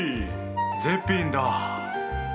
絶品だ！